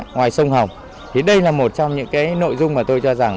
ngoài sông hồng thì đây là một trong những cái nội dung mà tôi cho rằng